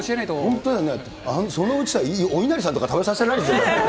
本当だよね、そのうちさ、おいなりさんとか食べさせられるんじゃない？